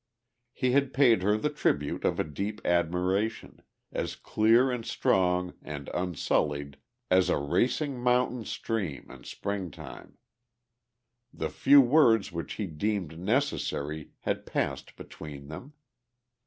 He had paid her the tribute of a deep admiration, as clear and strong and unsullied as a racing mountain stream in spring time. The few words which he deemed necessary had passed between them.